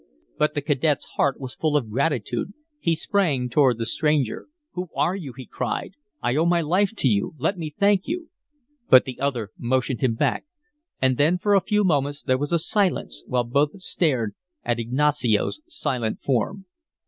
But the cadet's heart was full of gratitude; he sprang toward the stranger. "Who are you?" he cried. "I owe my life to you let me thank you!" But the other motioned him back, and then for a few moments there was a silence, while both stared at Ignacio's silent form.